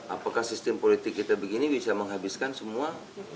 apakah sistem politik kita begini bisa menghabiskan semua